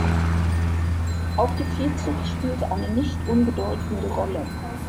Auch die Viehzucht spielt eine nicht unbedeutende Rolle.